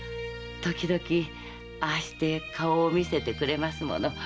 時々ああして顔を見せてくれますもの。